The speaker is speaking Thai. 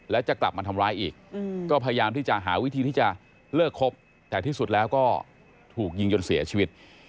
แล้วจะกลับมาทำร้ายอีกก็พยายามที่จะหาวิธีที่จะเลิกคบแต่ที่สุดแล้วก็ถูกยิงจนเสียชีวิต